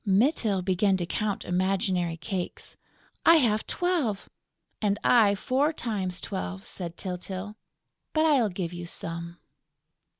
Mytyl began to count imaginary cakes: "I have twelve!..." "And I four times twelve!" said Tyltyl. "But I'll give you some...."